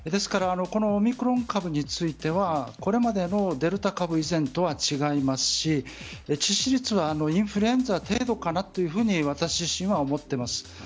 このオミクロン株についてはこれまでのデルタ株以前とは違いますし致死率はインフルエンザ程度かなと私自身は思っています。